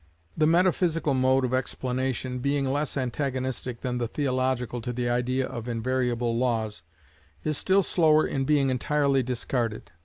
The metaphysical mode of explanation, being less antagonistic than the theological to the idea of invariable laws, is still slower in being entirely discarded.